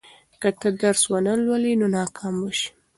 که ته درس ونه لولې، نو ناکام به شې.